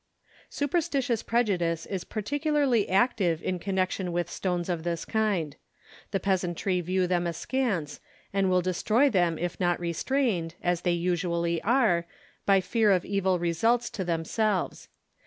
Superstitious prejudice is particularly active in connection with stones of this kind. The peasantry view them askance, and will destroy them if not restrained, as they usually are, by fear of evil results to themselves.